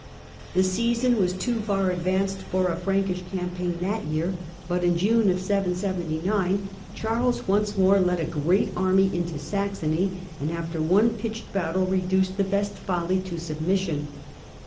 The season was too far advanced for a Frankish campaign that year, but in June, 779, Charles once more led a great army into Saxony and after one pitched battle reduced the Westfali to submission.